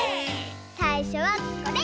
さいしょはこれ！